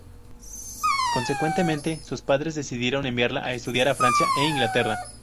Consecuentemente, sus padres decidieron enviarla a estudiar a Francia e Inglaterra.